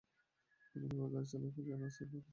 এমনভাবে গাড়ি চালায় যেন রাস্তা ওদের বাপের সম্পত্তি।